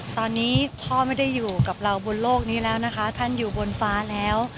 ตอนนี้พ่อไม่ได้อยู่กับเราบนโลกนี้แล้วนะคะท่านอยู่บนฟ้าแล้ว